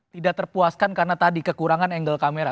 tidak terpuaskan karena tadi kekurangan angle kamera